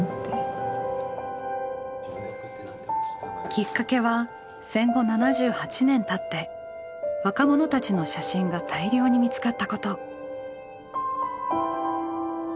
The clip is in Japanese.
きっかけは戦後７８年たって若者たちの写真が大量に見つかったこと。